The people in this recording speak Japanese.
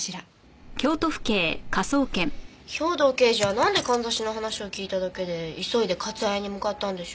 兵藤刑事はなんで簪の話を聞いただけで急いでかつ絢に向かったんでしょう？